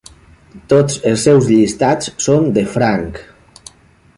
Tots els seus llistats són de franc.